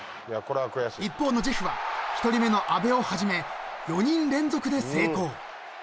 ［一方のジェフは１人目の阿部をはじめ４人連続で成功］